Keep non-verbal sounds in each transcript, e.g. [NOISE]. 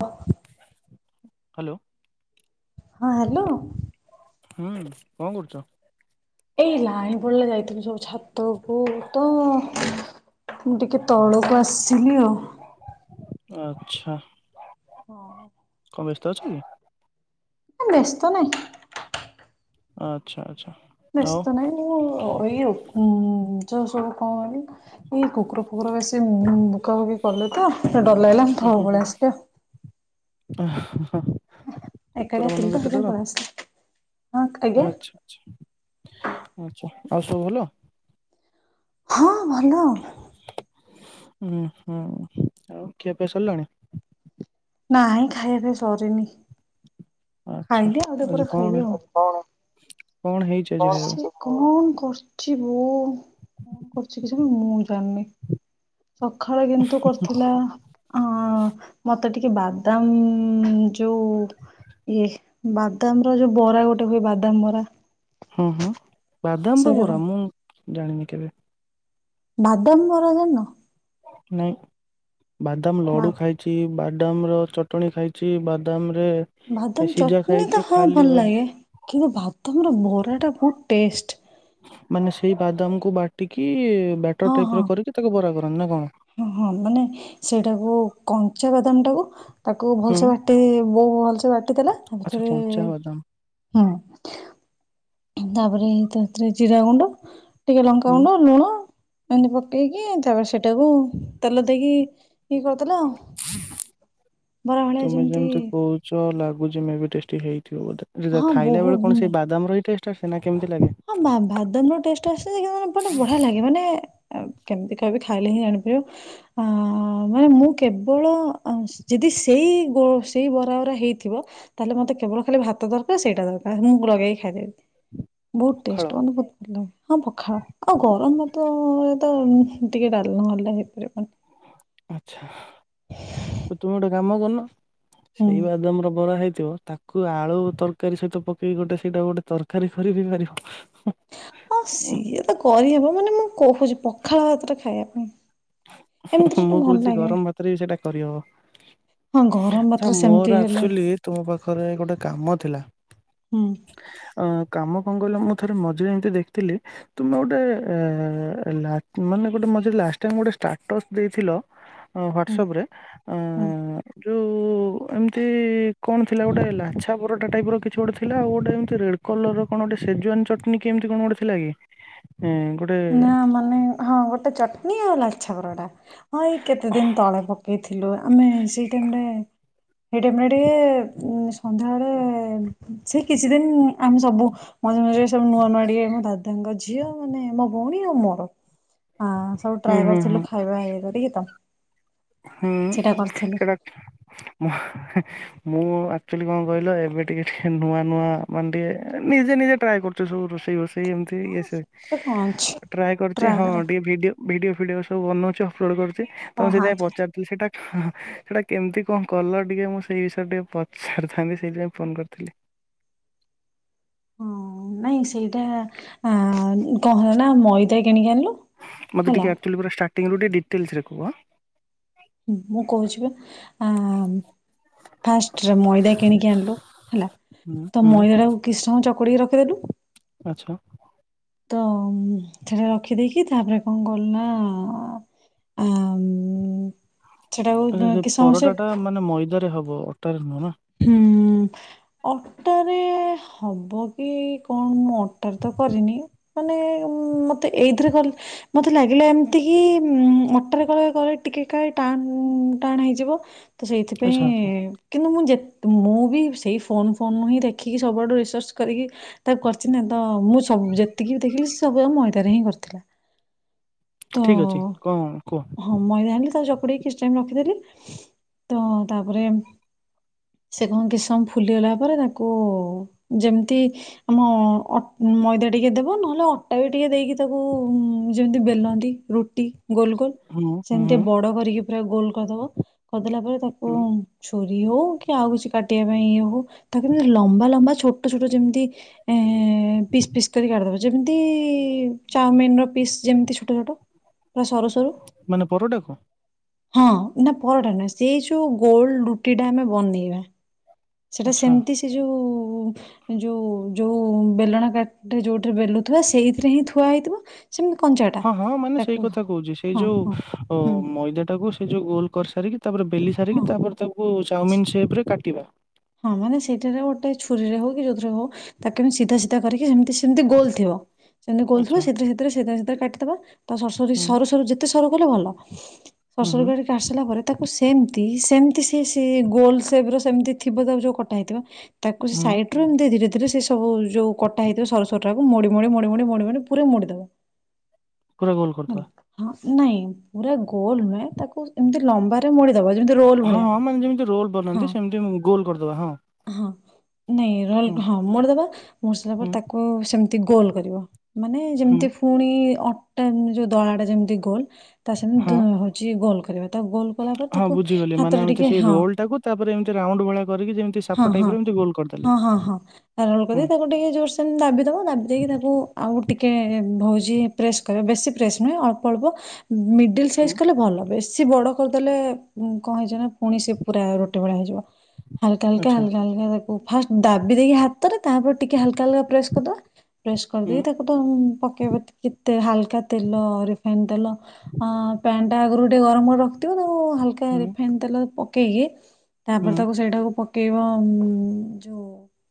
ହଁ ହ୍ୟାଲୋ ହଁ ହ୍ୟାଲୋ। ହୁଁ କଣ କରୁଛ? ଏଇ ଲାଇନ ପଳେଇଲା ଯାଇଥିଲୁ ସବୁ ଛାତକୁ ତ ମୁଁ ଟିକେ ତଳକୁ ଆସିଲି ଆଉ। ଆଚ୍ଛା ହଁ କଣ ବ୍ୟସ୍ତ ଅଛ କି? ବ୍ୟସ୍ତ ନାହିଁ। ଆଚ୍ଛା ଆଚ୍ଛା ଆଉ ବ୍ୟସ୍ତ ନାହିଁ ମୁଁ ଏଇ ଓ ଉଁ ଯୋଉ ସବୁ କଣ କହିଲ ଏଇ କୁକୁର ଫୁକୁର ବେଶୀ ଉଁ ଭୋକାଭୋକି କଲେ ତ ଡର ଲାଗିଲା ମୁଁ ତଳକୁ ପଳେଇ ଆସିଲି ଆଉ। ଆ ହଁ ଏକା ଡିଆ ଥିଲି ତ ସେଥିପାଇଁ ପଳେଇ ଆସିଲି। ହଁ ଆଜ୍ଞା ଆଚ୍ଛା, ଆଚ୍ଛା, ଆଚ୍ଛା। ଆଉ ସବୁ ଭଲ? ହଁ ଭଲ। ଉଁ, ହୁଁ ଆଉ ଖିଆ ପିଆ ସରିଲାଣି? ନାଇଁ ଖାଇବା ପିଆ ସରିନି। ଆଚ୍ଛା ଖାଇନି ଆଉ ଟିକେ ଆଜି ପରେ କଣ ଖାଇବି ଆଉ, କଣ? କଣ ହେଇଛି ଆଜି କଣ ଖାଇବାକୁ ସେ କ କଣ କରିଚି ବୋଉ? କଣ କରିଚି କେଜାଣି ମୁଁ [UNINTELLIGIBLE] ଜାଣିନି? ସଖାଳେ କିନ୍ତୁ କରିଥିଲା ଅଁ, ମୋ ତେ ଟିକେ ବାଦାମ ଉଁ, ଯୋଉ ଇଏ ବାଦାମ ର ଯୋଉ ବରା ଗୋଟେ ହୁଏ ବାଦାମ ବରା ହଁ, ହଁ। ବାଦାମ ର ସେଇଟା କଣ ବରା ମୁଁ ଜାଣିନି କେବେ। ବାଦାମ ବରା ଜାଣିନ। ନାଇ। ବାଦାମ ବା ଲଡୁ ଖାଇଛି ବା ବାଦାମ ର ଚଟଣି ଖାଇଛି ବାଦାମ ରେ ବାଦାମ ସିଝା ଚଟଣୀ ଖାଇଛି ତ ହଁ ଖାଲି ଭଲ ଲାଗେ କିନ୍ତୁ ବା ତୋମର ବରାଟା ବହୁତ ଟେଷ୍ଟ। ମାନେ ସେଇ ବାଦାମକୁ ବାଟିକି ହଁ ବ୍ୟାଟର ଟାଇପ୍ ହଁ ର କରିକି ତାକୁ ବରା କର। ମାନେ କଣ? ହଁ, ହଁ ମାନେ ସେଇଟାକୁ କଞ୍ଚା ବାଦାମ ଟାକୁ ଉହା ତାକୁ ହୁଁ ଭଲସେ ବାଟି ବୋଉ ଭଲସେ ବାଟି ଦେଲା ତା ଆଚ୍ଛା ଭିତରେ କଞ୍ଚା ବାଦାମ ହଁ ତାପରେ ତା ଭିତରେ ଜିରା ଗୁଣ୍ଡ ଟିକେ ହୁଁ ଲଙ୍କାଗୁଣ୍ଡ, ଲୁଣ ଏମିତି ପକେଇକି ତାପରେ ସେଟାକୁ ତେଲ ଦେଇକି ଇ କରିଦେଲା ତୁମେ ଯେମିତି କହୁଛ ଲା ବୁଜି ମେ ବି ଟେଷ୍ଟି ହେଇ ଥିବ ବୋଧେ ଯିଏ ଯାହା ହଁ ଖାଇଲା ବେଳେ କଣ ବହୁତ ସେଇ ବାଦାମ ର ହି ଟେଷ୍ଟ ରେ ସେନା କେମତି ଲା ହଁ ବା-ବାଦାମ ର ଟେଷ୍ଟ ଆସେ ଯେ କିନ୍ତୁ ମାନେ ପଟ ବଢିଆ ଲାଗେ, ମାନେ ଏ-କେମିତିକା ବି ଖାଇଲେ ହିଁ ଜାଣିପାରିବ, ଅ, ମାନେ ମୁଁ କେବଳ ଅସ-ଯଦି ସେଇ ଗୋ-ସେଇ ବରା ଉରା ହେଇଥିବ ତାହେଲେ ମୋତେ କେବଳ ଖାଲି ଭାତ ଦରକାର ସେଇଟା ଦରକାର ମୁଁ ଲଗେଇକି ଖାଇଦେବି। ବହୁତ ପଖାଳ। ଟେଷ୍ଟ ମତେ ବହୁତ ଭଲ ଲାଗେ। ହଁ ପଖାଳ ଆଉ ଗରମ ଭାତ ତ ଟିକେ ଡାଲମା ହେଲେ ହେଇପାରିବନି ଆଛା ଆଉ ତୁମେ ଗୋଟେ କାମ କରୁନ ହୁଁ ସେଇ ବାଦମର ବରା ହେଇ ଥିବ ତାକୁ ଆଳୁ ତରକାରୀ ସହିତ ପକେଇକି ଗୋଟେ ସେଇଟା ଗୋଟେ ତରକାରୀ କରି ବି ପାରିବ। ହଁ ସିଏ ତ କରିହେବ ମାନେ ମୁଁ କହୁଛି ପଖାଳ ହାତରେ ଖାଇବା ପାଇଁ ଏମିତିରେ ମୁଁ ଟିକେ ଭଲ କହୁଛି ଲାଗେ ଗରମ ଭାତରେ ବି ସେଇଟା କରିହବ ହଁ ଗରମ ଆଛା ଭାତରେ ସେମିତି ମୋର ହେଲେ ଆକ୍ଚୁଲି ତୁମ ପାଖରେ ଗୋଟେ କାମ ଥିଲା। ହୁଁ ଅ କାମ କଣ କହିଲ ମୁଁ ଥରେ ମଝିରେ ଏମିତି ଦେଖଥିଲି ତୁମେ ଗୋଟେ ମାନେ ଗୋଟେ ମଝିରେ ଲାଷ୍ଟ ଟାଇମ ଗୋଟେ ଷ୍ଟାଟସ୍ ଦେଇଥିଲ ହୁଁ ହ୍ବାଟସପରେ ହୁଁ ଯୋଉ ଯୋଉ ଏମିତି କଣ ଥିଲା ଗୋଟେ ଲାଛା ପରଟା ଟାଇପ ର କିଛି ଗୋଟେ ଥିଲା ଆଉ ଗୋଟେ ଏମ ରେଡ କଲର କଣ ଗୋଟେ ସେଜୱାନ ଚଟଣୀ କି ଏମତି କଣ ଗୋଟେ ଥିଲା କି? ଏଁ ଗୋଟେ ନା ମାନେ ହଁ ଗୋଟେ ଚଟନୀ ଆଉ ଲାଲ ଲାଛା ପରାଟା ହଁ ଏଇ କେତେ ଦିନ ତଳେ ପକେଇିଥି ଥିଲୁ ଆମେ ସେଇ ଟାଇମରେ ସେ ଟାଇମରେ ଟିକେ ସନ୍ଧ୍ୟାବେଳେ ସେ କିଛି ଦିନ ଆମେ ସବୁ ମଝିରେ ମଝିରେ ସବୁ ନୂଆ ନୂଆ ଟିକେ ଆମ ଦାଦାଙ୍କ ଝିଅ ମାନେ ଏ ମୋ ଭଉଣୀ ର ମୋର ହଁ ସବୁ ହୁଁ ଟ୍ରାଏ ହୁଁ ହୁଁ କରୁଥିଲୁ ଖାଇବା ଇଏ କରିକି ତ ହୁଁ ସେଇଟା କରିଥିଲୁ ସେଟା ଉଁ [UNINTELLIGIBLE] ମୁଁ ଆକ୍ଚୁଆଲି କଣ କହିଲ ଏବେ ଟିକେ ଟିକେ ନୂଆ ନୂଆ ମାନେ ଟିକେ ନିଜେ ନିଜେ ଟ୍ରାଏ କରୁଛ ସବୁ ରୋଷେଇ ଫୋଷେଇ ସେ ଏମତି ଇଏ ହଁ ସିଏ ସେଥିରେ କଣ ଅଛି ଟ୍ରାଏ କରଛି ହଁ ଟିକେ ଭିଡିଓ ଭିଡିଓ ଫିଡିଓ ମୁଁ ବନାଉଚ୍ଚ ଅପଲୋଡ଼ କର ତମ ଓ ହଁ ସେଥିପାଇଁ ପ ଆଚ୍ଛା ଆଚ୍ଛା [UNINTELLIGIBLE] ଏଟା ସେଟା କେମିତି କଣ କଲ ଟିକେ ମୁଁ ସେଇ ବିଷୟରେ ଟିକେ ପଚାରିଥାନ୍ତି ସେଇଥିପାଇଁ ଫୋନ କରିଥିଲି। ହଁ ନାଇଁ ସେଇଟା ଆ କଣ ହେଲା ନା ମଇଦା କିଣିକି ଆଣିଲୁ। ମତେ ହେଲା ଏକ୍ଟୁଲୀ ପୁରା ଷ୍ଟାର୍ଟ ଷ୍ଟାଟିଙ୍ଗ ରୁ ଟିକେ ଡିଟେଲସରେ କୁହ ଆଁ ମୁଁ କହୁଛି ପା ଫାଷ୍ଟ ମଇଦା କିଣିକି ଆଣିଲୁ ହେଲା ହୁଁ ତ ହୁଁ ମଇଦା ଟାକୁ କିଛି ସମୟ ଚକୁଟିକି ରଖିଦେଲୁ। ଆଚ୍ଛା ତ ସେଟା ରଖିଦେଇକି ତାପରେ କଣ କଲୁ ନା ଆ ସେ ପରଟା ଟା ମାନେ ମଇଦା ରେ ହବ୍ ଓ ଅଟାରେ ନୁହଁ ନା ଉୁଁ ଅଟାରେ ହବ କି କଣ ମୁଁ ଅଟାରେ ତ କରିନି ମାନେ ମତେ ଏଇଥିରେ ମତେ ଲାଗିଲା ଏମିତି କି ଉ ଅଟାରେ କଲେ କଲେ ଟିକେ ଖାଳେ ଟାଣ ଟାଣ ହେଇଯିବ। ଆଚ୍ଛା ଆଚ୍ଛା ସେଇଥିପାଇଁ କିନ୍ତୁ ମୁଁ ଯେ ମୁଁ ବି ସେଇ ଫୋନ ଫୋନ ହିଁ ଦେଖିକି ସବୁଆଡୁ ରିସର୍ଚ୍ଚ କରିକି ତାକୁ କରିଛି ନା ତ। ହଁ ମୁଁ ସବୁ ଯେତିକି ବି ଦେଖିଲି। ମୋ ବୋଉ ମଇଦାରେ ହିଁ କରିଥିଲା। ତ ଠିକ ଅଛି କନ କୁହ। ଘୋଡେଇ କିଛି ଟାଇମ ରଖିଦେଲି ତ ତାପରେ। ସେ କଣ କିସମ ଫୁଲିଗଲା ପରେ ତାକୁ ଯେମିତି ଆମ ଅଟ୍ ମଇଦା ଟିକେ ଦେବ ନହେଲେ ଅଟା ବି ଟିକେ ଦେଇକି ତାକୁ। ଯେମତି ବେଲନ୍ତି ରୁଟି ଗୋଲ ଗୋଲ ହୁଁ ହୁଁ ସେମିତି ହୁଁ ବଡ କରିକି ପୁରା ଗୋଲ କରିଦବ କରିଦେଲା ପରେ ତାକୁ ଛୁ ରିଓ [UNINTELLIGIBLE] କି ଆଉ କିଛି କାଟିବା ପାଇଁ ହଉ ତାକୁ ଏମିତି ଲମ୍ବା ଲମ୍ବା ଛୋଟ ଛୋଟ ଯେମିତି ଏ ପିସ୍ ପିସ୍ କରି କାଟିିଦବ ଯେମିତି ଚାଓମିନ ର ପିସ୍ ଯେମିତି ଛୋଟ ଛୋଟ। ପୁରା ସରୁ ସରୁ ମାନେ ପରଟାକୁ। ହଁ ନା ପରଟା ନୁହଁ ସେଇ ଯୋଉ ଗୋଲ ରୁଟି ଟା ଆମେ ବନେଇ ବାଆ। ସେଟା ଆଚ୍ଛା। ସେମିତି ସେ ଯୋଉ। କୁ ଯୋଉ ଯୋଉ ବେଲଣ କାଠି ଯୋଉଠି ବେଲୁଥିବା ସେଇଥିରେ ହିଁ ଥୁଆ ହେଇଥିବ। ସେମିତି କଞ୍ଚାଟା ହଁ ହଁ ମାନେ ସେଇ ତାକୁ କଥା କହୁଛି ସେଇ ହଁ ହଁ ଯୋଉ ହୁଁ ମଇଦାଟା କୁ୍। ସେ ଯୋଉ ଗୋଲ କରିସାରିକି। ତାପରେ ବେଲି ହଁ ସାରିକି ତାପରେ ତାକୁ। ଚାଉମିନ ସେପରେ କାଟିବା। ହଁ ସେଇଟାରେ ଗୋଟେ ଛୁରୀରେ ହଉ କି ଯୋଉଥିରେ ହଉ ତାକୁେ ବି ଏମିତି ସିଧା ସିଧା କରିକି ଏମିତି। ସେମିତି ଗୋଲ ଥିବ ସେମିତି ଗୋଲ ଥିବ ଆଚ୍ଛା। ସେଥିରେ ସେଥିରେ। କାଟିଦବା। ତ ସସୁରି ହୁଁ, ସରୁ ସରୁ ଯେତେସ କଲେ ଗଲା [UNINTELLIGIBLE] ସରୁ ହୁଁ, ସରୁ ହୁଁ, କରିକି ଆସିଲା ପରେ ତାକୁ ସେମତି। ଦି ସେମିତି ସି ସେ ଗୋଲ ସେପରେ ସେମିତି। ଥିବ ଦ ଯୋଉ କଟା ହେଇଥିବ। ତାକୁ ସେ ହୁଁ, ସାଇଟ୍ ରୁ ଏମତି ଧୀରେ ଧୀରେ ସେ ସବୁ ଯୋଉ କଟା ହେଇଥିବ ସରୁ ସରୁ ର ହବ ତାକୁ ମୋଡି ମୋଡି ମୋଡି ମୋଡି ମଡି ମଡି ପୁରା ମୋଡିଦବ। ପୁରା ଗୋଲ ହେଲା। କରିଦେବା। ହଁ ନାଇଁ ପୁରା ଗୋଲ ନୁହେ ତାକୁ ଏମିତି ଲମ୍ବାରେ ମ ହଁ ମାନେ ଯେମିତି ରୋଲ ହଁ ବନାନ୍ତି ସେମିତି ଗୋଲ କରିଦବା ହଁ। ହଁ ନାଇଁ ହୁଁ, ରୋଲ ହଁ ମୋଡିଦବା ମୋଡି ସାରିଲା ପରେ ହୁଁ, ତାକୁ ସେମତି ଗୋଲ କରିବ। ମାନେ ହୁଁ, ଯେମିତି ଫୁଣି ଅ ତନ୍ନ ଯୋଉ ଦଳାଟା ଯେମିତି ଗୋଲ। ତା ହଁ, ସେମିତି ହଉଛି ଗୋଲ। କରିବା ତାକୁ ଗୋଲ କଲା ପରେ ହଁ ତାକୁ ବୁଝିଗଲି ମାନେ ହାତରେ ଏମିତି ଟିକେ ସେଇ ହଁ ରୋଲ ଟାକୁ ତାପରେ ଏମତି ରାଉଣ୍ଡ ଭଳିଆ କରିକି ଯେ ହଁ ହଁ ହଁ ହଁ ହଁ ରାଉଣ୍ଡ କରି ହୁଁ, ତାକୁ ଟିକେ ଜୋର ସେ ସେମିତି ଦାବି ଦବା ଦାବି ଦେଇକି ତାକୁ ଆଉ ଟିକେ ବହୁ ଯିଏ ପ୍ରେସ୍ କରିବ ବେଶୀ ପ୍ରେସ୍ ନୁହ ଅଳ୍ପ ଅଳ୍ପ। ମିଡିଲ୍ ହୁଁ, ସାଇଜ୍ କଲେ ଭଲ ବେଶ ସିଏ ବଡ କରିଦେଲେ କଣ ହେଇଯିବ ନା ପୁଣି ସେ ପୁରା ରୁଟି ଭଳିଆ ହେଇଯିବ। ହାଲ଼୍କା ଆଚ୍ଛା। ହାଲ଼୍କା ହାଲ଼୍କା। ଫାଷ୍ଟ ଦାବି ଦେଇକି ହାତରେ ତାପରେ ଟିକେ ହାଲକା ହଲ ପ୍ରେସ କରିଦବା। ପ୍ରେସ୍ ହୁଁ, କରିଦେଇକି ତାକୁ ତ ପକେଇବା ଟିକେ ହାଲକା ତେଲ ରେ। ପେନ୍ ତେଲ ପ୍ୟାନ ଟା ଆଗରୁ ଟିକେ ଗରମ କରି ରଖିଥିବ ତା ହଲକା ହୁଁ, ରିଫାଇନ୍ ତେଲ ପ କେହି [UNINTELLIGIBLE] ତାପରେ ହୁଁ, ତାକୁ ସେଇଟାକୁ। ପକେଇବ ଯୋଉ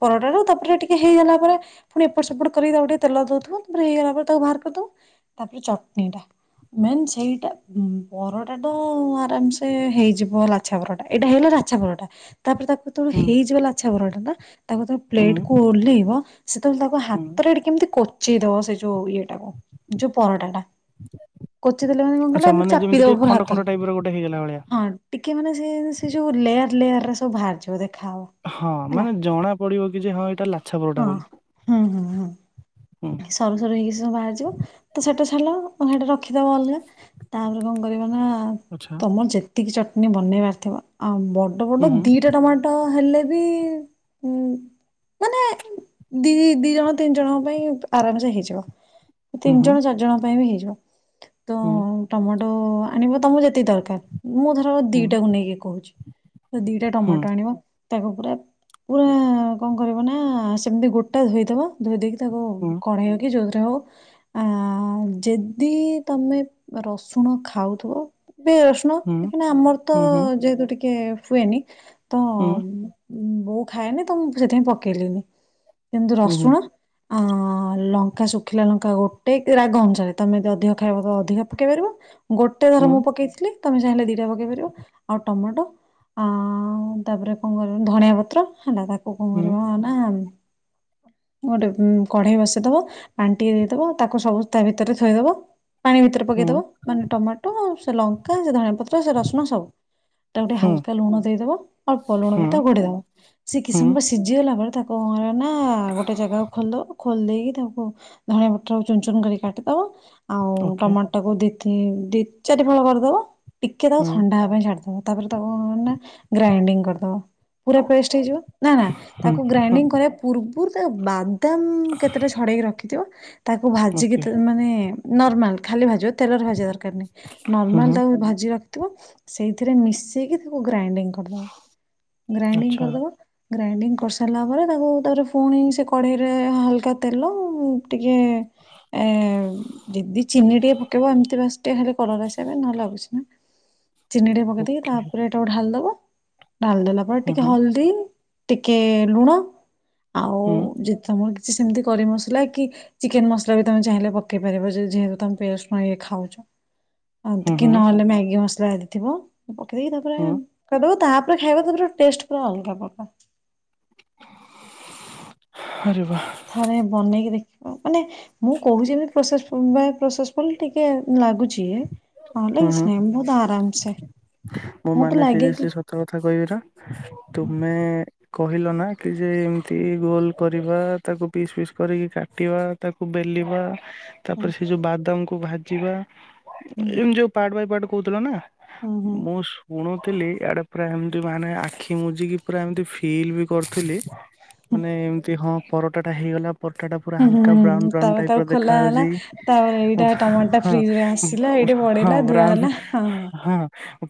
ପରଟା ରୁ ତାପରେ ଟିକେ ହେଇଗଲା ପରେ ପୁଣି ଏପଟ ସେପଟ କରିକ ତାକୁ ଟିକେ ତେଲ ଦଉଥିବ ତାପରେ ହେଇଗଲା ପରେ ତାକୁ ବାହାର କରିଦବ ତାପରେ ଚଟଣିଟା ମେନ୍ ସେଇଟା ପରଟା ଆରାମସେ ହେଇଯିବ ଲାଛା ପରରଟା ଏଇଟା ହେଇଲା ଲାଛା ପରରଟା। ତାପରେ ତାକୁ ତ ହୁଁ, ହେଇଯିବ ଲାଛା। ପରଟା ଟା। ତାକୁ ତ ହୁଁ, ପ୍ଲେଟ କୁ ଓହ୍ଲେଇବ। ସେତେବେଳେ ତାକୁ ହୁଁ। ହାତରେ ଏଠି କେମିତି। ଚି ଦା ସେ ଯଉ ଇଏ। ଯୋଉ ପରଟା ଟା କଚି ଦେଲେ ମାନେ କଣ ଆଚ୍ଛା, କଲେ ମାନେ ଯେମିତି ଚାପିଦବ ଟିକେ ପ ଖଣ୍ଡ ଖଣ୍ଡ ହାତରେ ଟାଇପ୍ ର ଗୋଟେ ହେଇଗଲା ଭଳିଆ। ହଁ ଟିକେ ମାନେ ସେ ଯୋଉ ଲେୟାର। ଲେୟାର ର। ତ ବାହାରଯିବ ଦେ- ଖାଅ ହଁ ହେଲା ମାନେ ଜଣା ପଡିବ କି ଯେ ହଁ ଏଇଟା ଲାଛା ପରଟା ହଁ ବୋଲି ହୁଁ ହୁଁ ହୁଁ ହୁଁ। ସରୁ ସରୁ ହେଇକିୁ ବାହାରିଯିବ ତ ସେଟା। ହେଲା ସେଇଟା ରଖିଦେବ ଅଲଗା। ତାପରେ କଣ କରିବି ନା ଆଚ୍ଛା। ତମର ଯେତିକି ଚ ବନେଇବାର ଥିବ ଆଉ। ବଡ଼ ବଡ଼। ହୁଁ ହୁଁ ଦୁଇଟା ଟମାଟୋ ହେଲେ। ମାନେ ଦି ଦି ଜଣ ତିନି ଜଣଙ୍କ ପାଇଁ ଆରାମ ସେ ହେଇଯିବ। ତିନି ହୁଁ ଜଣ ଚାରି ଜଣ ପାଇଁ ବି ହେଇଛି। [UNINTELLIGIBLE] ତ ହୁଁ ଟମାଟୋ ତ ଆଣିବୁ ତମ ଯେତିକି ଦରକାର ମୁଁ ଧର ହୁଁ ଦିଟାକୁ ନେଇକି କହୁଛି ଦି ଟମା ହୁଁ ଟାଣିବ ତାକୁ ପୁରା ପୁରା କଣ କରିବ ନା ସେମିତି ଗୋଟା ଧୋଇଦବ ଧୋଇ ଦେଇକି ତାକୁ ହୁଁ କଣେଇବ କି ଯୋଉ ଆ ଯଦି ତମେ ରସୁଣ ଖାଉଥିବ। ପିଆଜ ରସୁଣ ହୁଁ କାହିଁକି ନା ଆମର ତ ହୁଁ ହୁଁ ଯେହେତୁ ଟିକେ ଟିକେ ହୁଏନି ତ ହୁଁ ମୋ ବୋଉ ଖାଏନି ତ ମୁଁ ସେଥିପାଇଁ ପକେଇଲିନି କେମତି ହୁଁ ହୁଁ ହୁଁ ହୁଁ ରସୁଣ ଅ ଲଙ୍କା ଶୁଖିଲା ଲଙ୍କା ଗୋଟେ କି ରାଗ ଅନୁସାରେ ତମେ ଯଦ ଅଧିକ ଖାଇବା ଅଧିକା ପକେଇ ପାରିବ ଗୋଟେ ହୁଁ ଧର୍ମ ପକେଇଥିଲି ତମେ ଚାହିଁଲେ ଦିଇଟା ପକେଇ ପାରିବ ଆଉ ଟମାଟୋ ଆଁ ଆଉ ତାପରେ କଣ କରିବ ଧଣିଆ ପତ୍ର ହେଲା ତା କଣ କରିବା ନା ଗୋଟେ ଉ କଢେଇ ପାଣି ଟିକେ ଦେଇ ଦେବ ଟିକେ ଦେଇଦବ ତାକୁ ସବୁ ତା ଭିତରେ ଥୋଇଦବ ପାଣି ଭିତରେ ପକେଇଦବ ହୁଁ ମାନେ ଟମାଟୋ ଆଉ ଲଙ୍କା ସେ ଧନି ପତ୍ର ସେ ରସୁଣ ସବୁ ତାକୁ ଟିକେ ହୁଁ ହାଲକା ଲୁଣ ଦେଇଦବ ଆଉ ପଲୁଣ ହୁଁ ପକେଇକି ତାକୁ ଘୋଡେଇ ଦବ ସ ସେ କି ହୁଁ ସମୟ ସିଝ ଖିଲା ପରେ ତାକୁ ନା ଗୋଟେ ଜାଗାକୁ ଖୋଲିଦବ ଖୋଲି ଦେଇକି ତାକୁ ଧଣିଆ ପଟର ଚୁନ ଚୁନ କରି କାଟିଦବ ଆଉ ଓକେ ଟମାଟୋକୁ ଦି ଦି ଦି ଚାରି ଫଳ କରିଦବ ଟିକେ ତାକୁ ହୁଁ ଥଣ୍ଡା ହବା ପାଇଁ ଛାଡ଼ି ଦେବ ତାପରେ ତମେ ଗ୍ରାଇଣ୍ଡିଙ୍ଗ କରିଦବ ପୁରା ପେଷ୍ଟ ହେଇଯିବ ନା ନା ହୁଁ ତାକୁ ହୁଁ ଗ୍ରାଇଙ୍ଗ କରିବା ପୂର୍ବରୁ ତ୍ ବା ତ ଦମ୍ କେତେଟା ଛଡ଼େଇକି ରଖିଥିବ। ତାକୁ ଭାଜିକି ଓକେ ତ ମାନେ ନର୍ମାଲ ଖାଲି ଭାଜିବ ତେଲରେ ଭାଜିବା ଦରକାର ନାହିଁ, ହୁଁ ନର୍ମାଲ ହୁଁ ତାକୁ ଭାଜି ର ଥିବ ସେଇଥିରେ ମିଶେଇିକି ତାକୁ ଗ୍ରାଇଣ୍ଡିଙ୍ଗ କରଦବ ଗ୍ରାଇଣ୍ଡିଙ୍ଗ ଆଚ୍ଛା କରିଦବ। ଗ୍ରାଇଣ୍ଡିଙ୍ଗ କରିସାରିଲା ପରେ ତାକୁ ତାପରେ ପୁଣି ସେ କଢ଼େଇରେ ହାଲକା ତେଲ ଟିକେ ଏଁ, ଯଦି ଚିନି ଟିକେ ପକେଇବ ଏମିତି ବାସ୍ ଟିକେ ଖାଲି କଲର୍ ଆସିବା ପାଇଁ ନହେଲେ ଆଉ କିଛି ନାହିଁ। ଚିନି ଟିକେ ପକେଇ ଦେଇକି ଓକେ ତାପରେ ଏଟାକୁ ଢାଳ ଦବ। ଢାଳିଦେଲା ପରେ ହୁଁ ଟିକେ ହୁଁ ହଳଦୀ। ଟିକେ ଲୁଣ ଆଉ ହୁଁ ଯେ ତୋମର ସିଏ ସେମିତି କରି ମସଲା କି ଚିକେନ୍ ମସଲା ବି ତୋମେ ଚାହିଁଲେ ପକେଇ ପାରିବ ଯେ ଯେହେତୁ ତୋମେ ପିଆଜ, ରସୁଣ ବି ଖାଉଛ। ଏମତି ହୁଁ କି ହୁଁ ନହେଲେ ମେଗି ମସ ଯାହା ଆଦି ଥିବ। ପକେଇକି ତାପରେ ହୁଁ ଓ ତାହାପରେ ଖାଇବା ତାପରେ ଟେଷ୍ଟ ପୁରା ଅଲଗା ପ୍ରକାର। ଆରେ ବାଃ। ଥରେ ବନେଇକି ଦେଖିବ ମାନେ ମୁଁ କହୁଚି ଏମତି ପ୍ରୋସେସ ଫ-ବା- ପ୍ରୋସେସଫୁଲ ଟିକେ ଲାଗୁଛି। ନହେଲେ ହଁ, କିଛି ହଁ, ନାହିଁ ବହୁତ ଆରାମସେ ମୁଁ ମତେ ମାନେ ଲାଗେ କି ସିରିୟସ୍ଲି ସତ କଥା କହିବି ନା ହୁଁ ତୁମେ କହିଲ ନା କି ଯେ ଏମିତି ଗୋଲ କରିବା ତାକୁ ପିସ୍ ପିସ୍ କରିକି କାଟିବା ତାକୁ ବେଲିବା ହୁଁ ତାପରେ ସେ ଯୋଉ ବାଦାମକୁ ଭାଜିବା ହୁଁ ଏମତି ଯୋଉ ପାର୍ଟ ବାଏ ପାର୍ଟ କହୁଥିଲ ନା ହୁଁ ହୁଁ ମୁଁ ଶୁଣୁ ଥିଲି ଆଡ଼େ ପୁରା ଏମତି ମାନେ ଆଖି ବୁଜିକି ପୁରା ଏମତି ଫିଲ୍ ବି କରୁଥିଲି ହୁଁ ମାନେ ଏମିତି ହଁ ପରଟାଟା ହେଇଗଲା ପରଟା ଟା ପୁରା ହୁଁ, ହୁଁ, ହାଲକା ବ୍ରାଉନ ହୁଁ, ବ୍ରାଉନ ତାପରେ ଟାଇପ ତାକୁ ର ଖୋଲା ହେଲା ଦେଖାଯାଉଛି। ତାପରେ ଏଇଟା ଟମାଟ ଟା ଫ୍ରିଜ୍ ରେ ଆସ ଆଉ ହଁ ବ୍ରାଉନ୍ ହଁ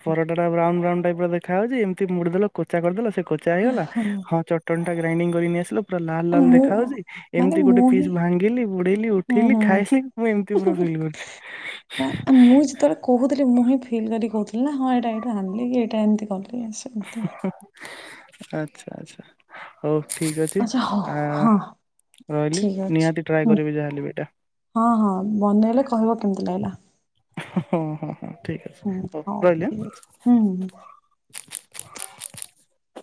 ପରଟା ଟା ବ୍ରାଉନ୍ ବା ବ୍ରାଉନ୍ ଟାଇପ୍ ର ଦେଖା ହୋଉଚି ଏମତି ମୋଡ଼ିଦେଲ କୋଚା କରିଦେଲ ସେ କୋଚା ହେଇଗଲା, ହଁ ଚଟଣି ଟା ଗ୍ରାଇଡିଙ୍ଗ କରି ନେଇ ଆସିଲୁ ପୁରା ଲାଲ ଲାଲ ମୁଁ ଦେଖା ହୋଉଚି, ମାନେ ଏମିତି ଗୋଟେ ମୁଁ ହିଁ ପିସ୍ ଭାଙ୍ଗିଲି ବୁଡେଇଲି ହୁଁ ଉଠେଇଲି ଖାଇଲି ମୁଁ ଏମତି ପୁରା ହୁଁ ଫିଲ୍ କରୁଛି। ମୁଁ ଯେତେବେଳେ କହୁଥିଲି। ମୁଁ ହିଁ ଫିଲ୍ କରିକି କହୁଥିଲି ନା ହଁ ଏଇଟା ଏଇଠୁ ଆଣିଲି କି ଏଇଟା ଏମିତି କଲି ଆସି [UNINTELLIGIBLE] ଆଚ୍ଛା ଆଚ୍ଛା ହଉ। ଠିକ ଅଛି ଆଚ୍ଛା ହଉ ଆ ହଁ ରହିଲି ଠିକ ଅଛି। ନିହାତି ଟ୍ରାଏ ହୁଁ କରିବି ଯାହେଲେ ବି ଏଇଟା ହଁ ହଁ ବନେଇଲେ କହିବ କେମିତି ଲାଗିଲା ହୁଁ ହୁଁ ହୁଁ ଠିକ ଅଛି ହୁଁ ହଉ ରହିଲି। ଠିକ ଅଛି ହୁଁ ହୁଁ। [UNINTELLIGIBLE]